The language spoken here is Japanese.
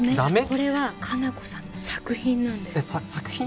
これは果奈子さんの作品なんですさ作品？